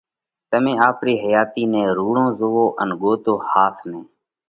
تمي آپرِي حياتِي نئہ رُوڙون زوئو ان ڳوتو ۿاس نئہ